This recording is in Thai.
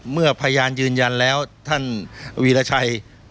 พยานยืนยันแล้วท่านวีรชัย